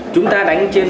chúng ta đánh trên